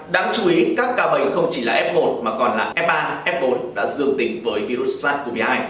đáng chú ý các ca bệnh không chỉ là f một mà còn là f ba f bốn đã dương tính với virus sars cov hai